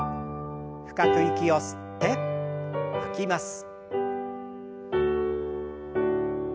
深く息を吸って吐きます。